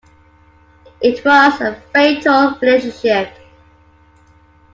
It was a fatal relationship.